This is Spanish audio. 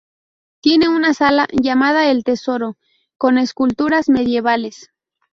Tiene una sala, llamada del tesoro, con esculturas medievales.